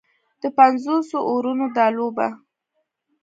د پنځوسو اورونو دا لوبه